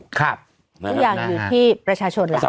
ทุกอย่างอยู่ที่ประชาชนหลัก